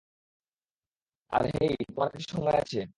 আর, hey, তোমায় কাছে সময় আছে।